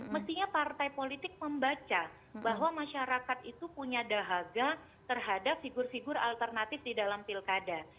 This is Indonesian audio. mestinya partai politik membaca bahwa masyarakat itu punya dahaga terhadap figur figur alternatif di dalam pilkada